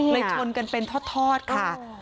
ชนกันเป็นทอดค่ะ